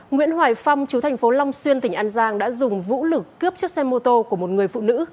nguyễn hoài phong chú thành phố long xuyên tỉnh an giang đã dùng vũ lực cướp chiếc xe mô tô của một người phụ nữ